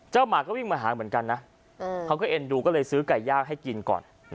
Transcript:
หมาก็วิ่งมาหาเหมือนกันนะเขาก็เอ็นดูก็เลยซื้อไก่ย่างให้กินก่อน